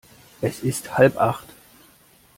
Es ist halb acht.